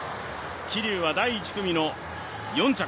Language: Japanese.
桐生は第１組の４着。